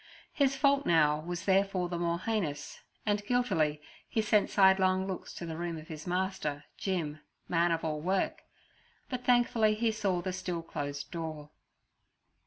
His fault now was therefore the more heinous, and guiltily he sent sidelong looks to the room of his master, Jim, man of all work—but thankfully he saw the still closed door.